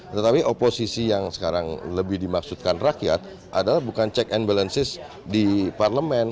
tetapi oposisi yang sekarang lebih dimaksudkan rakyat adalah bukan check and balances di parlemen